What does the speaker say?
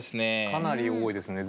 かなり多いですね。